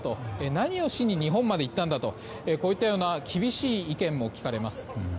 何をしに日本まで行ったんだというような厳しい意見も聞かれます。